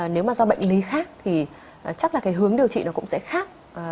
nếu mà do bệnh lý khác thì chắc là cái hướng điều trị nó cũng sẽ khác